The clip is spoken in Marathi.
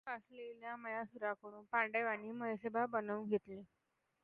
आगीतून वांचलेल्या मयासुराकडून पांडवांनी मयसभा बनवून घेतली.